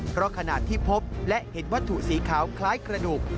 เพราะขณะที่พบและเห็นวัตถุสีขาวคล้ายกระดูก